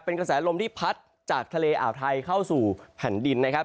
เป็นกระแสลมที่พัดจากทะเลอ่าวไทยเข้าสู่แผ่นดินนะครับ